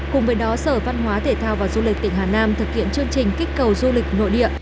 cùng với đó sở văn hóa thể thao và du lịch tỉnh hà nam thực hiện chương trình kích cầu du lịch nội địa